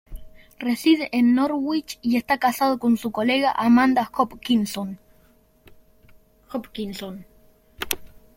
Reside en Norwich y está casado con su colega Amanda Hopkinson.